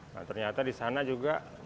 nah ternyata disana juga